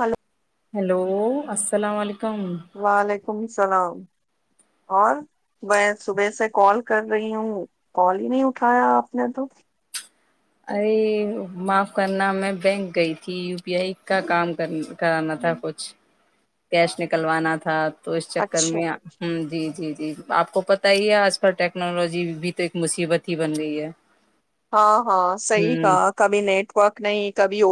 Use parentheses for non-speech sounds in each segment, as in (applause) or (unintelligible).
Hello hello السلام علیکم وعلیکم السلام اور میں صبح سے کال کر رہی ہوں کال ہی نہیں اٹھایا آپ نے تو ارے معاف کرنا میں بینک گئی تھی یو پی آئی کا کام کر کرانا تھا کچھ کیش نکلوانا تھا تو اس چکر اچھا میں ھم جی جی جی آپ کو پتا ہی ہے آج کل ٹیکنالوجی بھی تو ایک مصیبت ہی بن گئی ہے ہاں ہاں صحیح کھا ہوں کبھی نیٹ ورک نہیں کبھی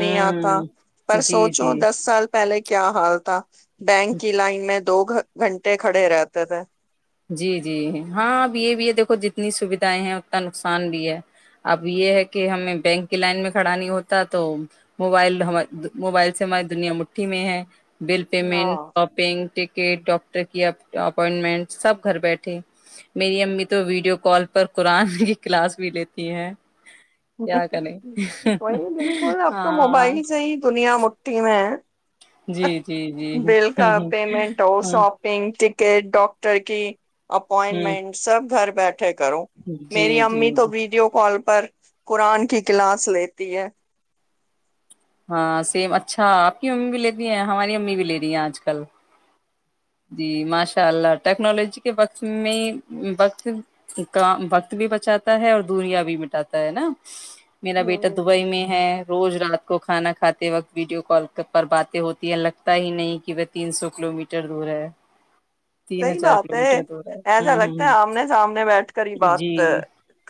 نہیں آتا پر جی سوچو جی دس سال پہلے کیا حال تھا بینک کی لائن میں دو گھنٹے کھڑے رہتے تھے جی جی ہاں اب یہ بھی ہے دیکھو جتنی سویدھائیں ہیں اتنا نقصان بھی ہے اب یہ ہے کہ ہمیں بینک کی لائن میں کھڑا نہیں ہوتا تو موبائل موبائل سے ہماری دنیا مٹھی میں ہے بل ہاں پیمنٹ (unintelligible) کے ڈاکٹر کی اپوائنٹمنٹ سب گھر بیٹھے میری امی تو ویڈیو کال پر قرآن کی کلاس بھی لیتی ہیں کیا کریں وہی بالکل اب تو ہاں موبائل سے ہی دنیا مٹھی میں ہے جی جی جی بل ہ کا ہ پیمنٹ ہ شاپگ کہ ڈاکٹر کی ہ اپوائنٹمنٹ سب گھر کیا کرو جی میری جی امی تو جی ویڈیو کال پر قرآن کی کلاس لیتی ہے ہاں سیم اچھا آپ کی امی بھی لیتی ہیں ہماری امی بھی لے رہی ہیں آج کل جی ماشاء اللہ ٹیکنالوجی کے وقت میں وقت کا وقت بھی بچاتا ہے اور دنیا بھی مٹاتا ہے نا میرا ہ بیٹا دبئی میں ہے روز رات کو کھانا کھاتے وقت ویڈیو کال پر باتیں ہوتی ہیں لگتا ہی نہیں کہ وہ تین سو کلو میٹر دور ہے تین صحی ہزار بات کلو ہے میٹر دور ہے ایسا ہوں لگتا ہے ہوں آمنے سامنے بیٹھ کر ہی جی بات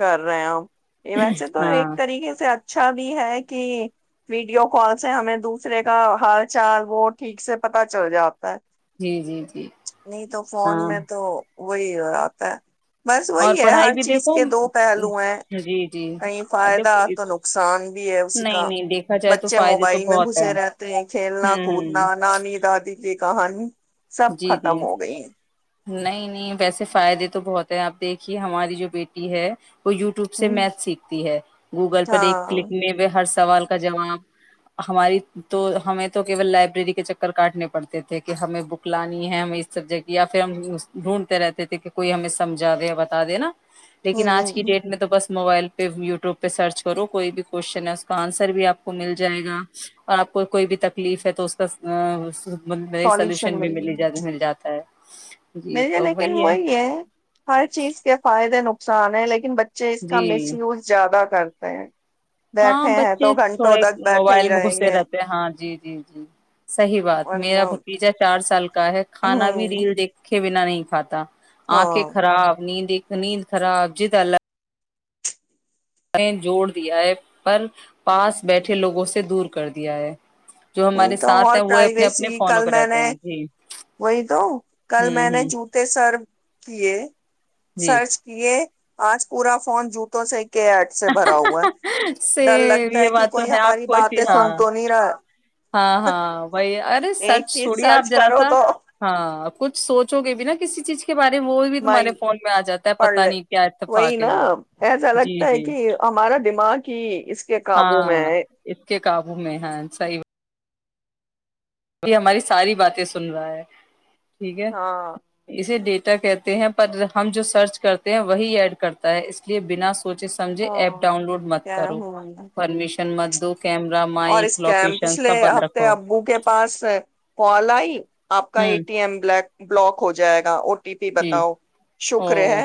کر رہے ہیں ہم یہ ویسے تو ہاں ایک طریقے سے اچھا بھی ہے کہ ویڈیو کال سے ہمیں دوسرے کا حال چال وہ ٹھیک سے پتا چل جاتا ہے جی جی جی نہیں تو فون ہاں میں تو وہی آتا ہے بس اور وہی ہے پڑھائی ہر بھی چیز دیکھو کے دو پہلو ہیں جی جی کہیں فائدہ دیکھو تو نقصان بھی ہے اسی نہیں کا نہیں دیکھا جائے تو بچے فائدے تو موبائل میں بہت ہیں گھسے رہتے ہیں کھیلنا ہ کودنا ہ نانی دادی کہانی سب جی ختم جی ہو گئی ہیں نہیں نہیں ویسے فائدے تو بہت ہے آپ دیکھیے ہماری جو بیٹی ہے وہ یوٹیوب سے ہوں میتھ سیکھتی ہے گوگل پر ایک ہاں کلک میں ہر سوال کا جواب ہماری تو ہمیں توول لائبریری کے چکر کاٹنے پڑتے تھے کہ ہمیں بک لانی ہے ہمیں اس سبجیکٹ یا پھر ہم ڈھونڈتے رہتے تھے کہ کوئی ہمیں سمجا دےیا بتا دے نا لیکن آج کی ہوں ڈیٹ میں تو بس موبائل پہ یو ٹیوب پہ سرچ کرو کوئی بھی کویشچن ہے اس کا آنسر بھی آپ کو مل جائے گا اور آپ کو کوئی بھی تکلیف ہے تو اس کا سالوش (unintelligible) بھی سالوشن مل م گئی ج مل جاتا ہے مل لیکن وہی ہے ہر چیز کے فائدے نق ان ہے لیکن بچے چ اس کا مس جی یوز زیادہ کر ہیں ہاں بیٹھے ہیں بچے تو گھنٹوں تھوڑے تک بیٹھے موبائل ہی میں رہیں گھسے گے رہتے ہاں جی جی جی صحیح بات میرا اور بھتیجا چار سال کا ہے کھانا بھی ہوں ریل دیکھے نا نہیں کھھا آ کے ہاں خراب نیند ایک نیند خراب جد اللہ نے جوڑ دیا ہے پر پاس بیٹھے لوگوں سے دور کر دیا ہے جو وہی ہمارے تو ساتھ اور ہیں وہ اپنے اپنے پرائیویسی فونوں کل پہ میں رہتے نے ہیں جی وہی تو کل ہوں میں نے ہ جوتے سر کیے جی سرچ کیے آج پورا فون جوٹو سے کے ایٹ سے بھرا ہوا سے ڈر لگتا یہ ہے کہ بات تو کوئی آپ ہماری کو باتیں سن ہاں تو نہیں رہا ہاں ہاں وہی ارے سچ ایک چیز چھوڑے آپ سرچ ذرا کرو سا تو ہاں کچھ سوچو گے بھی نا ک اسسی چیز کی مائنڈ پڑھ پتا لے نہیں کیا وہی اتفاق ہے نا یہ ایسا لگتا جی ہے جی کہ ہمارا دماغ ہی اس کے قابو میں ہاں ہے اس کے قابو میں ہیں صحیح ابھی ہماری ساری باتیں سن رہا ہے ٹھیک ہے ہاں اسے دیکھ کہتے ہیں پر ہم جو سرچ کرتے ہیں وہی ایڈ کرتا ہے اس لیے بنا سو سوچے سمجھے ایپ ہاں ڈاؤن لوڈ مت کیا کرو ہوں پرمیشن مت دو کیمرہ اور اس مائک کے لوکیشن پچھلے سب بند ہفتے رکھو ابو کے پاس پلائی آپ کا ا ہوں ٹی ایم بلیک (unintelligible) بلاوک ہو جائے گا اور ٹی پی جی بتاؤ شکر او ہے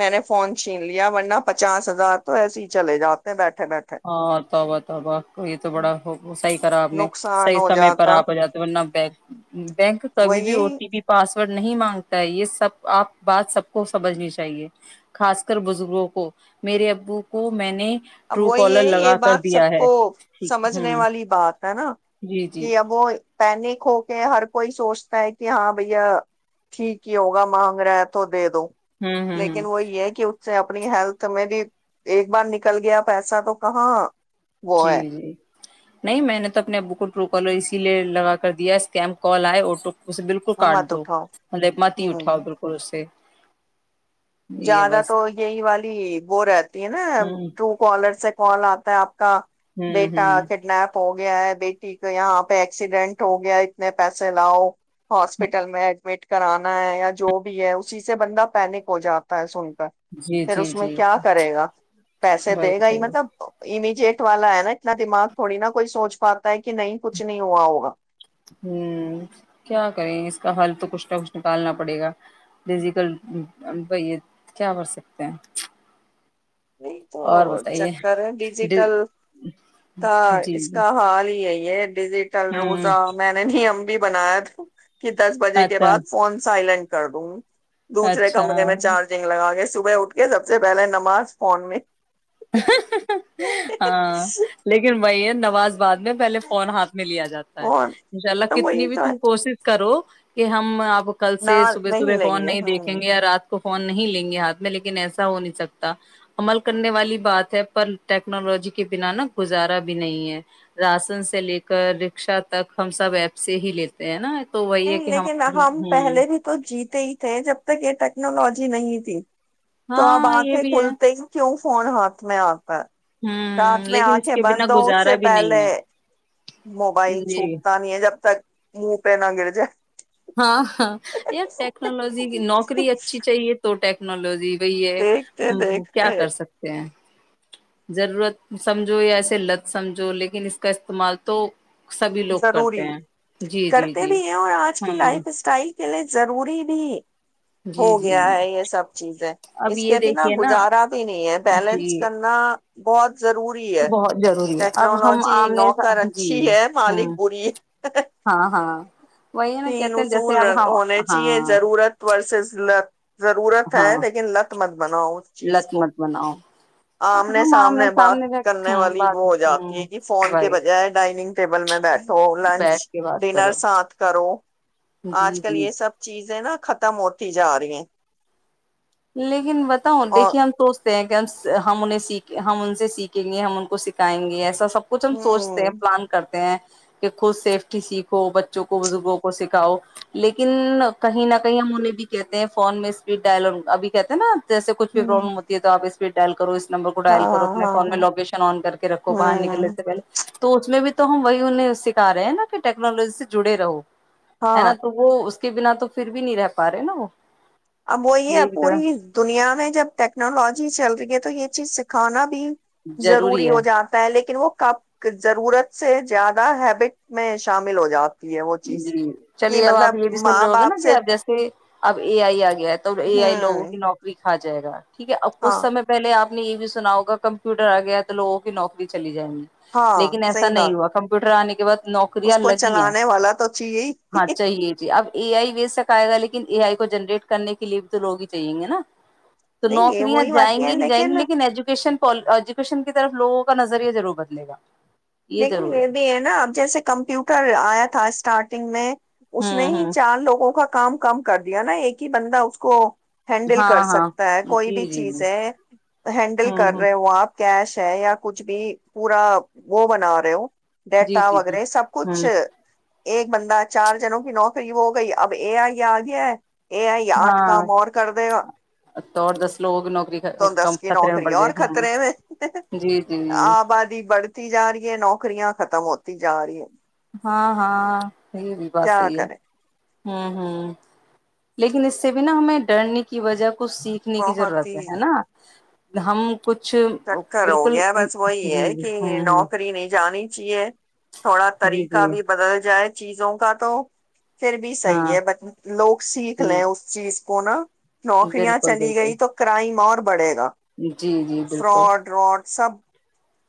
میں نے فون چھین لیا ورنہ پچاس ہزار تو ایسے ہی چل جاتے ہیں بیٹری ہاں توبتب آ کو تو بڑا ہو (unintelligible) خراب نے نقصان صحی ہو سمے پر جاتا آپ جاتے ورنہ بک بینک کبھی بھی وہی او ٹی پی پاسورڈ نہیں مانگتا ہے یہ سب آپ بات سب کو سمجھنی چاہیے خاص کر بزرگوں کو میرے ابو کو میں نے اب ٹرو وہی کالر ہے یہ لگا کر بات سب دیا ہے کو ٹھیک سمجھنے ہوں والی بات ہے نا جی ابو پینک ہو کے ہر کوئی سوچتا ہے کہ ہاں بھیا ٹھیک ہی ہوگا مانگ رہا ہے تو دے دو ہوں ہوں ہوں لیکن وہی ہے کہ سے اپنی ہیلتھ میں بھی ایک بار ن نکل گیا پیسہ تو کہاں وہ جی ہے جی (unintelligible) نہیں میں نے تو اپنے ابو کو ٹرو کالر اسی لیے لگا کر دیا اسکیم کال آئے آٹو اسے بالکل کاٹ مت دو اٹھاؤ مطلب مات ہ اٹھاؤ بالکل اس سے یہ زیادہ بس تو یہی والی وہ رہتی ہے نا ہوں ٹو کالر سے پال آتا ہے آپ (unintelligible) کا ہوں بیٹا ہوں کڈنپ ہوگا گیا بیٹی کو یہاں پہ ایکسیڈینٹ ہو گیا اتنے پیسے لاؤ ہاسپٹل میں ایڈمٹ کرانا ہے یا جو بھی ہے اسی سے بندہ پینک ہو جاتا ت سن جی پھر جی اس میں جی کیا کرے گا پیسے وہی دے گا ہی صحیح مطلب ای م جیٹ والا ہے نا اتنا دماغ تھوڑی نا کوئی سوچ پاتا ہے کہ نہیں کچھ نہیں ہوا ہوگا ہ کیا کریں اس کا حل تو کچھ نہ کچھ نکالنا پڑے گا ڈزیکل ب یہ کیا کر سکتے ہیں نہیں اور تو بتائیے چکر ہے جی ڈیجیٹل کا جی اس کا حال ہی ہے یہ (unintelligible) ڈیجیٹل ہوں روزہ میں نے نہیں امب بنایا تھا کہ دس بجے کے اچھا بعد فون سائلنٹ کر دوں دوسرے کمرے میں اچھا چارجنگ لگا کے صبح اٹھ کے سب سے پہلے نماز فون میں ہاں لیکن وہی ہے نماز بعد میں پہلے فون ہاتھ میں لیا جاتا فون انشاء اللہ تو کتنی وہی بھی تو ہے تم کوشش کرو کہ ہم کل نہ سے صبح نہیں صبح لیں فون گے نہیں دیکھیں ہوں گے یا رات فون نہیں لیں گے ہاتھ میں لیکن ایسا ہو نہیں سکتا عمل کرنے والی بات ہے پر ٹیکنالوجی کے بنا نا گزارا بھی نہیں ہے راشن سے لے کر رکشا تک ہم سب ایپ سے ہی لیتے ہیں نا تو وہی ہے نہیں کہ لیکن ہماری ہم ہوں پہلے بھی تو جیتے ہی تھے جب تک یہ ٹیکنالوجی نہیں تھی تو آپ ہاں یہ آنکھیں بھی ہے کھولتے ہیں کیوں فون ہاتھ میں ہوں رات میں لیکن اس آنکھیں کے بنا بند ہونے گزارا سے بھی پہلے نہیں ہے موبائل جی چھوٹتا نہیں ہے جب تک یہ (unintelligible) (unintelligible) ہاں ہاں یار ٹیکنالوجی نوکری اچھی چاہیے تو ٹیک ٹیکنالوجی وہی ہے دیکھتے تو کیا دیکھتے کر سکتے ہیں ضرورت سمجھو یا ایسے لت سمجھو لیکن اس کا استعمال تو سبھی لوگ ضروری کرتے ہیں جی جی کرتے جی بھی ہیں اور آج کی ہاں لائف اسٹائل کے لیے ضروری نہیں جی ہو جی گیا جی ہے یہ سب چیز ہے اب اس یہ کے بنا دیکھیے نا گزارا بھی نہیں ہے جی بیلنس کرنا بہت ضروری ہے بہت ضروری ہے اب ہم ٹیکنالوجی آمنے سا- نوکر جی اچھی ہے ہوں مالک بری ہاں ہاں وہی نا تین کہتے ہیں جیسے اصول اب ہاں ہونے چاہیے ہاں ضرورت ورز (inaudible) ضرورت ہاں ہے لیکن لت مند بناؤ اس چیز لت کو مت بناؤ آمنے ہم سامنے بات بیٹھتے کرنے ہیں والی بات وہ ہو جاتی ہے ہوں کہ فون کے بھائی بجائے ڈائننگ ٹیبل میں بیٹھ تو لنچ بیٹھ کے بات ڈنر کرو ساتھ کرو آج جی کل جی یہ سب چیز ہے نا ختم ہوتی جا رہی ہیں لیکن بتاؤ اور دیکھیے ہم سوچتے۔ ہیں کہ ہم ہم انہیں سیکھیں ہم ان سے سیکھیں گے ہم ان کو سکھائیں گے ایسا۔ سب کچھ ہم سوچتے ہیں ہ پلان کرتے ہیں۔ کہ خود سیفٹی سیکھو بچوں کو بزرگوں کو سکھاؤ لیکن کہیں نہ کہیں ہم انہیں بھی کہتے ہیں فون میں اسپیڈ ڈائلگ۔ ابھی کہتے ہیں نا۔ جیس کچھ بھی ہ پرابلم ہوتی ہے تو آپ اس۔ پے ڈائل کرو اس۔ نمبر کو ڈائل کرو ہاں اپنے فون میں ہاں لوکیشن آن کر کے رکھو باہر نکلنے ہاں سے پہلے تو اس میں بھی۔ تو ہم وہی انہیں سکھا رہے ہیں نا کہ ٹیکنالوجی سے جڑے رہو۔ ہے نا ہاں تو وہ اس۔ کے بنا تو پھر بھی نہیں رہ پا رہے نا وہ۔ اب وہ یہ ہے بھی تو پوری دنیا میں جب ٹیکنالوجی چل۔ تو یہ چیز سکھانا۔ بھی ضروری ہو جاتا ہے لیکن۔ وہ کب ضرورت سے زیادہ ہیبٹ میں شامل ہو جاتا۔ جی چلیے اب آپ یہ بھی سن ماں رہے ہو گے نا باپ کہ سے اب جیسے۔ اب ا آئی ا گیا۔ تو اے آئی لگوں ہوں کی نوکری۔ کہا جائے گا۔ ٹھیک ہے اب کچھ ہاں سمے پہلے آپ۔ اپ نے یہ بھی سنا ہوگا کمپیوٹر آ گیا تو لوگوں کی نوکری چلی جائیں گی۔ ہاں لیکن ایسا صحیح نہیں بات ہوا کمپیوٹر آنے کے۔ (unintelligible) نوکریا اس کو لگی ہیں۔ چلانے والا تو چاہیے ہی ہاں چاہیے جی اب اے آئی بی سکھائے گا لیکن۔ لن اے آئی کو جنریٹ کرنے کے لیے بھی تو لوگ ہی چاہییں گے نا۔ تو نہیں یہ نوکریاں وہی جائیں باتیں گی ہیں نہیں جائیں گی لیکن ایجوکیشن۔ ایجوکیشن کی طرف لوگوں کا نظریہ ضرور بدلے گا۔ لیکن یہ بھی ہے نا اب جیسے کمپیوٹر آیا تھا اس۔ اسٹارٹنگ میں۔ اس نے ہوں ہی ہوں چار لوگوں کا کام کم۔ کر دیا نا ایک ہی بندہ اس کو۔ ہینڈل ہاں کر ہاں سکتا ہے کوئی بھی جی جی جی چیزیں ہینڈل ہوں کر ہوں رہے ہو آپ۔ کیش ہے یا کچھ بھی پورا وہ بنا رہے ہو جی ڈیٹا جی جی وغیرہ سب کچھ ہوں ایک بندہ چار جنوں کی نوکری وہ ہو گئی اب اے آئییا آگے ہے یہ آئی آٹھ ہاں کام اور کر دے گا تو اور دس لوگوں کی نوکری تو دس کم کی خطرے میں نوکری پڑ اور جائے ہاں خطرے میں جی جی جی آبادی بڑھ ج یہ نوکرییا ختم ہوتی جا رہی ہے ہاں ہاں یہ بھی بات کیا یہی ہے کریں ہوں ہوں لیکن اس سے بھی نا ہمیں ڈرنے کی وجہ کچھ سیکھنے کی بہت ضرورت ہی ہے نا ہم کچھ چکر ہو بالکل گیا جی بس وہی ہے جی کہ ہاں ہاں نوکری نہیں جانی جیے تھوڑا جی طریقہ جی بھی بدل جائے چیزوں کا تو پھر بھی صحیح ہاں ہے ب لوگ سیکھ جی لیں اس چیز کونا نوکریاں چلی گئی تو کرائم اور بڑے گا جی جی جی بالکل فراڈ راڈ سب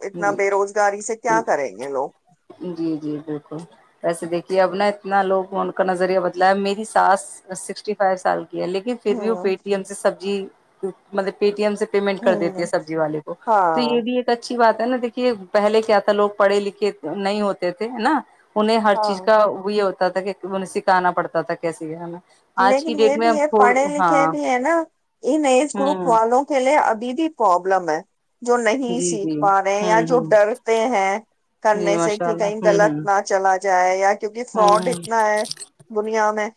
اتنا بے روزگاری سے کیا جی کریں گے لوگ جی جی بالکل ویسے دیکھیے اب ن اتنا لوگ ان کا نظریہ بدلایا میری ساس سکسٹی فائیو سال کیا لیکن پھر بھی وہ ہ پےٹی ایم سے سبزی م پےٹی ایم سے پیمنٹ کر دیتی ہ ہے سبزی والے کو تو ہاں یہ بھی ایک اچھ اچھی بات ہے نا دیکھیے پہلے کیا تھا لوگ پڑے لکھے نہیں ہوتے تھے نا انہیں ہر چیز ہاں کا وہ پتا تھا ایک م سکھاننا پڑتا تھا کیا س کیا ہے نا لیکن یہ بھی ہے پڑھے لکھے بھی ہے نا ان ایج گروپ ہوں والوں کے لیے اب ی پروابلم ہے جو نہیں جی سیکھ جی پا رہے یا ہوں جو ہوں ڈرتے ہیں جی کرنے سے ماشاء کہ اللہ کہیں ہوں غلط ہوں نہ چلا جائے یا کیونکہ ہوں فراڈ ہوں اتنا ہے دنیا میں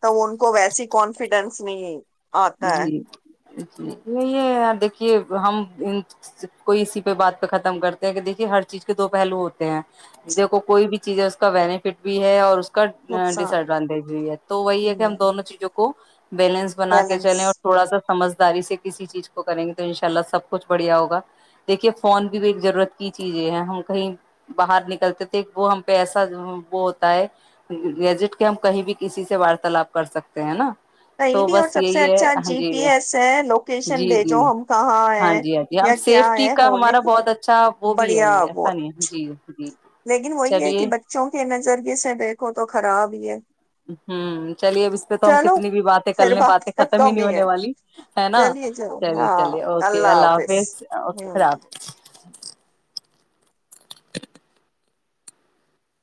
تو ان کو ویسی کانفیڈینس نہیں ہے آتا ہے جی یہ یار دیکھیے ہم کوئی اسی پہ بات پہ ختم کرتے ہیں کہ دیکھیے ہر چیز کے دو پہلو ہوتے ہیں دیکھو کوئی بھی چیز ہے اس کا بینیفٹ بھی ہے اور ڈس نقصان ایڈوانٹیج ہے تو وہی ہے کہ ہم دونوں چیزوں کو بیلنس بنا کے بیلنس اور تھوڑا سا سجداری سے کسی چیز کو کریں گے تو ان شاء اللہ سب کچھ بڑھیا ہوگا دیکھیے فون بھی ایک ضرورت کی چیز یہ ہے ہم کہیں باہر نکلتے تھے وہ ہم پہ ایسا وہ ہوتا ہے گجٹ کے ہم کہیں بھی کسی سے وارتالپ کر سکتے ہیں نا پئی تو بھی اور بس (unintelligible) سب سے یہی ہے اچھا ہاں جی پی ایس ہے لوکیشن جی جی بھیجو ہم کہاں ہاں ہے جی ہاں جی ہم یا کیا سیفٹی ہے کا ہونے ہمارا کو بہت اچھا وہ بھی ہے بڑھیا یہ وہ ایسا نہیں جی جی لیکن وہی ہے چلیے کہ بچوں کے نظریے سے دیکھو تو خراب ہی ہے ہ چلیے اب اس پہ تو ہم چلو کتنی بھی باتیں پھر کلنے بات باتیں ختم ہی کم نہیں ہونے ہے والی ہے نا چلیے چلو چلیے ہاں چلیے اوکے اللہ حافظ اوکے خدا ہوں حافظ (inaudible) (inaudible)